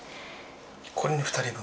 これに２人分。